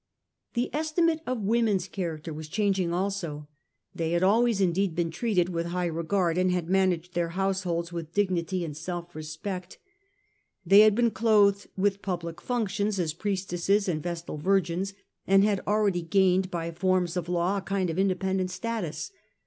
The estimate of women^s character was changing also. They had always, indeed, been treated with high 7 Tjjg regard, and had managed their households change in with dignity and self respect. They had been the estimate ,,,.,.. of women's clothed With public functions as priestesses character. Vestal Virgins, and had already gained by forms of law a kind of independent status.